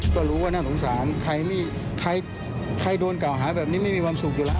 ก็รู้ว่าน่าสงสารใครโดนเก่าหาแบบนี้ไม่มีความสุขอยู่แล้ว